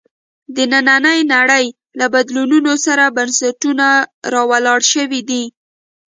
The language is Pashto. د نننۍ نړۍ له بدلونونو سره بنسټونه راولاړ شوي دي.